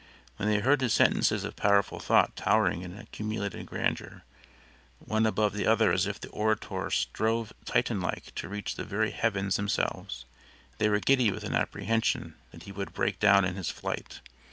When they heard his sentences of powerful thought towering in accumulated grandeur one above the other as if the orator strove Titan like to reach the very heavens themselves, they were giddy with an apprehension that he would break down in his flight.